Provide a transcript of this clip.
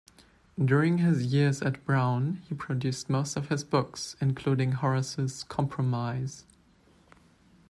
During his years at Brown, he produced most of his books, including Horace's Compromise.